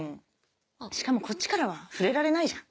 しかもこっちからは触れられないじゃん。